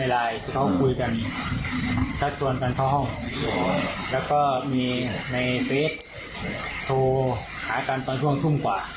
แล้วก็มีในเฟสโทรหากันตอนช่วงทุ่มกว่า